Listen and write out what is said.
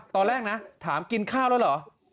ตอนแรกนะถามกินข้าวแล้วเหรอ